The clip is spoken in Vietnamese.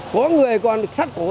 có người còn sắc cổ